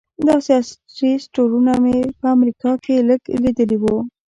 داسې عصري سټورونه مې په امریکا کې هم لږ لیدلي وو.